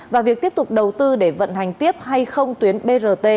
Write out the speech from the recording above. và việc tiếp tục đầu tư để vận hành tiếp hay không tuyến brt